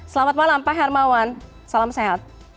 selamat malam pak hermawan salam sehat